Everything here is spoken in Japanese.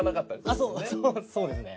そうそうですね。